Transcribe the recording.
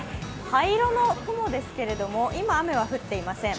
灰色の雲ですけれども、今、雨は降っていません。